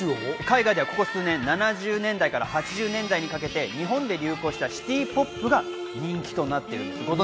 海外ではここ数年、７０年代から８０年代にかけて日本で流行したシティポップが人気となっています。